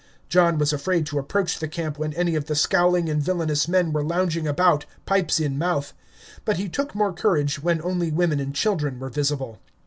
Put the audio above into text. John was afraid to approach the camp when any of the scowling and villainous men were lounging about, pipes in mouth; but he took more courage when only women and children were visible.